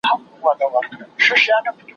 نه اثر وکړ دوا نه تعویذونو